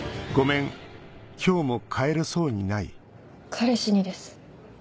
彼氏にです。